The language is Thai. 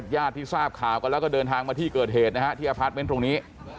ยาดที่ทราบข่าวก็เราก็เดินทางมาที่เกิดเหตุที่อภัทรเมนต์ตรงนี้